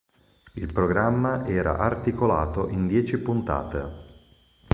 Il programma era articolato in dieci puntate.